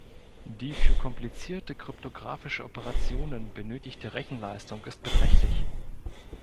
Die für komplizierte kryptografische Operationen benötigte Rechenleistung ist beträchtlich.